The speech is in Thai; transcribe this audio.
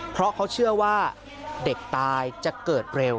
เพราะเขาเชื่อว่าเด็กตายจะเกิดเร็ว